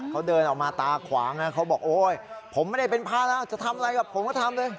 เขาเดินออกมาตาขวางนะเขาบอกโอ๊ยผมไม่ได้เป็นพระแล้วจะทำอะไรกับผมก็ทำเลย